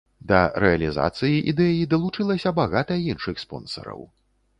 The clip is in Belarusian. Да рэалізацыі ідэі далучылася багата іншых спонсараў.